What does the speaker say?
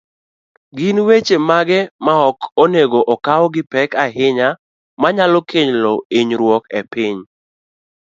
Gin weche mage maok onego okaw gipek ahinya, manyalo kelo hinyruok ne piny?